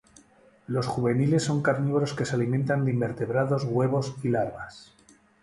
Los juveniles son carnívoros que se alimentan de invertebrados, huevos y larvas.